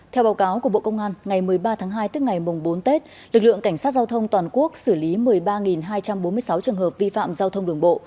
theo báo cáo của bộ công an ngày một mươi ba tháng hai tức ngày mùng bốn tết lực lượng cảnh sát giao thông toàn quốc xử lý một mươi ba hai trăm bốn mươi sáu trường hợp vi phạm giao thông đường bộ